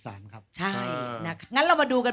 เอาหูมาใกล้ได้เลย